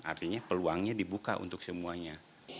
artinya peluangnya dibuka untuk semuanya